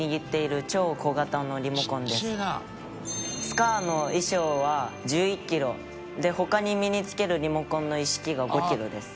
「スカーの衣装は１１キロ」「他に身に着けるリモコンの一式が５キロです」